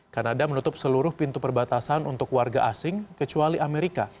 kanada menutup seluruh pintu perbatasan untuk warga asing kecuali amerika